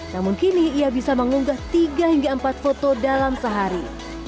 namun kini ia bisa mengunggah tiga hingga empat foto dalam sehari